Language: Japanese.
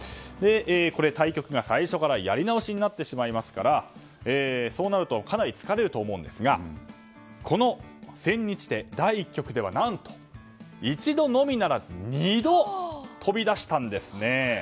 対局が最初からやり直しになってしまいますからそうなるとかなり疲れると思うんですがこの千日手、第１局では何と、１度のみならず２度飛び出したんですね。